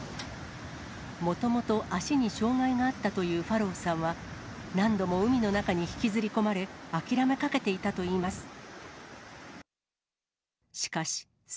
もともと足に障がいがあったというファロウさんは、何度も海の中に引きずり込まれ、諦めかけていたといいます。